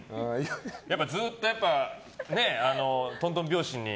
ずっとやっぱとんとん拍子に。